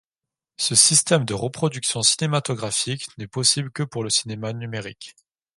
Ce système de reproduction cinématographique n'est possible que pour le cinéma numérique.